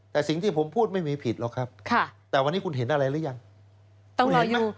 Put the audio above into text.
แต่สิ่งที่ผมพูดไม่มีผิดหรอกครับแต่วันนี้คุณเห็นอะไรหรือยังคุณเห็นไหม